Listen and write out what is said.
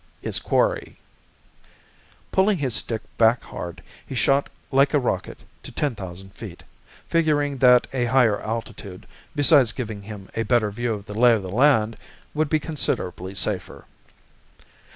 His quarry! Pulling his stick back hard, he shot like a rocket to ten thousand feet, figuring that a higher altitude, besides giving him a better view of the lay of the land, would be considerably safer.